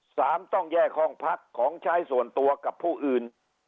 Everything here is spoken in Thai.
ต้องแยกห้องพักของใช้ส่วนตัวกับผู้อื่น